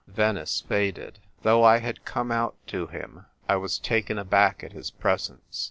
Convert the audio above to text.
Venice faded. Though I had come out to him, I was taken aback at his presence.